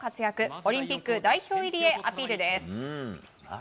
オリンピック代表入りへアピールです。